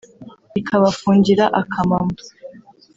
ikabafungira akamama